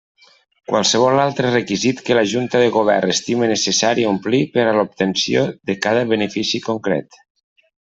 Qualsevol altre requisit que la Junta de Govern estime necessari omplir per a l'obtenció de cada benefici concret.